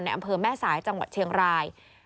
อำเภอแม่สายจังหวัดเชียงราย